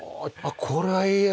これはいいや。